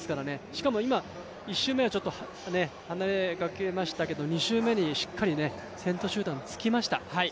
しかも今、１周目は少し離れかけましたけど、２周目にしっかり先頭集団につきました。